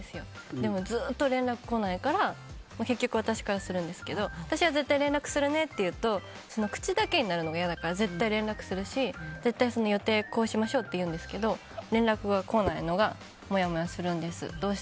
でも、ずっと連絡が来ないから結局私からするんですけど私は絶対連絡するねっていうと口だけになるのが嫌だから絶対に連絡するし絶対に予定をこうしましょうって言うんですけど連絡が来ないのがもやもやするんです。